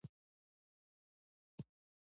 د مالیې راټولول د ټولنې د ګټې لپاره اړین دي.